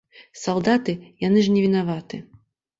Салдаты, яны ж невінаваты.